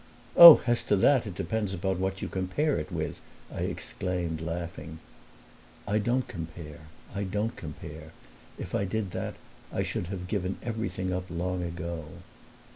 "Oh, as to that, it depends upon what you compare it with!" I exclaimed, laughing. "I don't compare I don't compare. If I did that I should have given everything up long ago."